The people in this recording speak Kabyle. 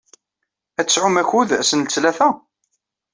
Ad tesɛum akud ass n ttlata?